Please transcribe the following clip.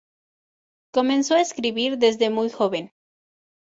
Comenzó a escribir desde muy joven.